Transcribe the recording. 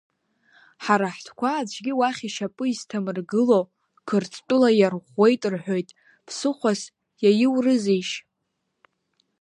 Ҳара ҳтәқәа аӡәгьы уахь ишьапы изҭамыргыло Қырҭтәыла иарӷәӷәеит, — рҳәоит, ԥсыхәас иаиурызеишь?